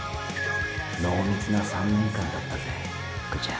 濃密な３年間だったぜ福ちゃん。